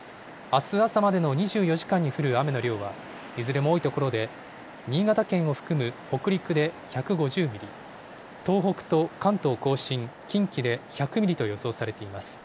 あす朝までの２４時間に降る雨の量は、いずれも多い所で、新潟県を含む北陸で１５０ミリ、東北と関東甲信、近畿で１００ミリと予想されています。